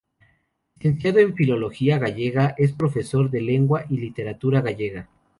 Licenciado en Filología gallega, es profesor de Lengua y literatura gallega.